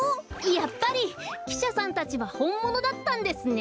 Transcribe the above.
やっぱりきしゃさんたちはほんものだったんですね。